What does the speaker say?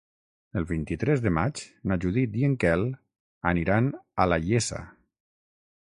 El vint-i-tres de maig na Judit i en Quel aniran a la Iessa.